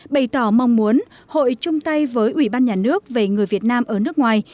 bày tỏ mong muốn hội chung tay với ủy ban nhà nước về người việt nam ở nước ngoài